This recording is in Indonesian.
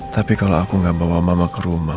tapi kalau aku nggak bawa mama ke rumah